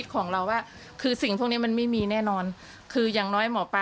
ก็คือมันไม่มีอะไรอย่างนี้